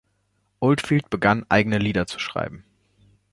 Oldfield begann eigene Lieder zu schreiben.